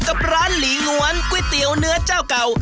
กับร้านหลีง้วนก๋วยเตี๋ยวเนื้อเจ้าเก่า